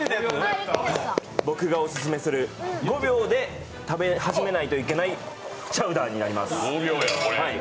僕がオススメする５秒で食べ始めないといけないチャウダーになります。